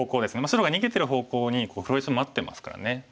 白が逃げてる方向に黒石待ってますからね。